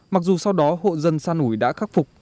mặc dù sau đó hộ dân săn ủi đã khắc phục